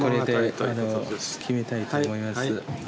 これで決めたいと思います。